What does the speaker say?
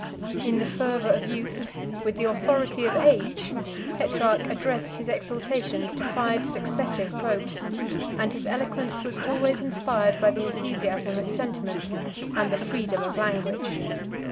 In the fervor of youth, with the authority of age, Petrarch addressed his exhortations to five successive popes, and his eloquence was always inspired by the enthusiasm of sentiment and the freedom of language.